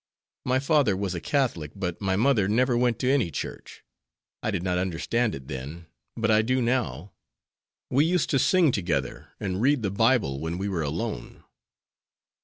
My father was a Catholic, but my mother never went to any church. I did not understand it then, but I do now. We used to sing together, and read the Bible when we were alone."